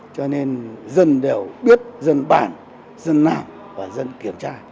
cho nên dân đều biết dân bàn dân làm và dân kiểm tra